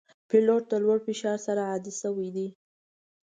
پیلوټ د لوړ فشار سره عادي شوی وي.